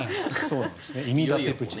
イミダペプチド。